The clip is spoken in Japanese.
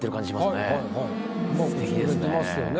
すてきですね。